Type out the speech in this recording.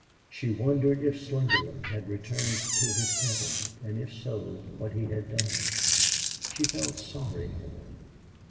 She wondered if Slingerland had returned to his cabin, and, if so, what he had done. She felt sorry for him.